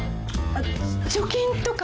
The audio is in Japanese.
貯金とかは？